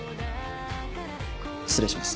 失礼します。